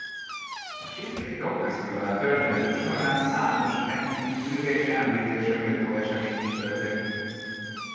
A Sitkei Rockfesztivál története során számos rendkívüli és említésre méltó esemény is történt.